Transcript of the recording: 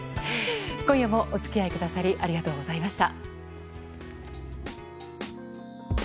今夜もお付き合いくださりありがとうございました。